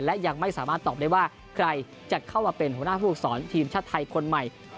และยังไม่สามารถตอบได้ว่าใครจะเข้ามาเป็นหัวหน้าผู้ฝึกสอนทีมชาติไทยคนใหม่